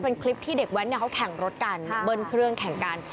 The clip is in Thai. เป็นคลิปที่เด็กแว้นเขาแข่งรถกันเบิ้ลเครื่องแข่งกัน